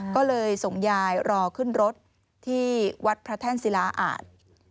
ก็เลยส่งยายรอขึ้นรถที่วัดพระแท่นศิลาอาจ